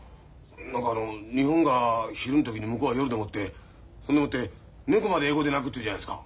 何か日本が昼の時に向こうは夜でもってそんでもって猫まで英語で鳴くっていうじゃないですか。